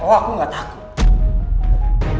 oh aku gak takut